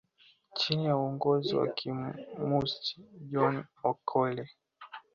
Chini ya uongozi wa kikomunisti wa John Okelo